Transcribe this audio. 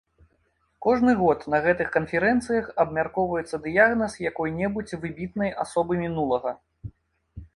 Кожны год на гэтых канферэнцыях абмяркоўваецца дыягназ якой-небудзь выбітнай асобы мінулага.